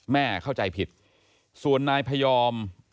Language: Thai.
เข้าใจผิดส่วนนายพยอม